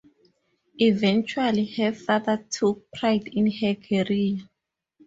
Eventually her father took pride in her career.